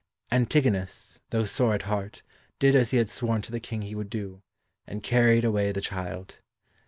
Antigonus, though sore at heart, did as he had sworn to the King he would do, and carried away the child.